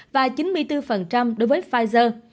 và chín mươi bốn đối với pfizer